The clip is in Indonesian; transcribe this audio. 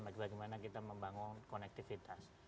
bagaimana kita membangun konektivitas